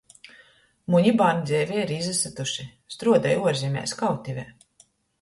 Muni bārni dzeivē ir izasytuši – struodoj uorzemēs kautivē.